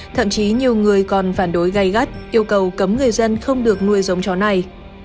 thậm chí nhiều người còn phản đối gây gắt yêu cầu cấm người dân không được nuôi giống chó này